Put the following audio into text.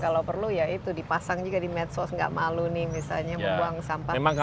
kalau perlu ya itu dipasang juga di medsos nggak malu nih misalnya membuang sampah